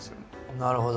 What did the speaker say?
なるほど。